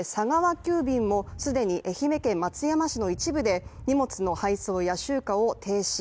急便も既に愛媛県松山市の一部で荷物の配送や集荷を停止。